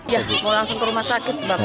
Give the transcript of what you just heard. ya mau langsung ke rumah sakit bang